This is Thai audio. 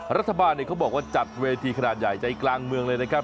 รัฐบาลเขาบอกว่าจัดเวทีขนาดใหญ่ใจกลางเมืองเลยนะครับ